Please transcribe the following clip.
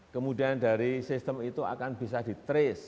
kemudian dari sistem itu akan bisa diteres